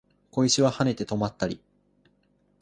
小石は跳ねて止まったり